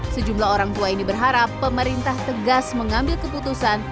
sejumlah orang tua ini berharap pemerintah tegas mengambil keputusan